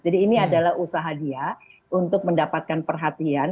jadi ini adalah usaha dia untuk mendapatkan perhatian